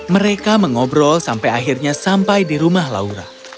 mereka mengobrol sampai akhirnya sampai di rumah laura